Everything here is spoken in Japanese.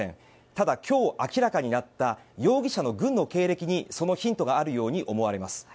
ただ、今日明らかになった容疑者の軍の経歴にそのヒントがあるように思われます。